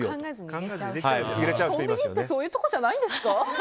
コンビニってそういうところじゃないんですか。